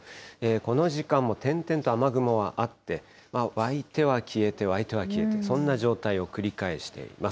この時間も点々と雨雲はあって、湧いては消えて、湧いては消えて、そんな状態を繰り返しています。